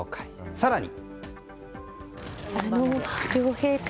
更に。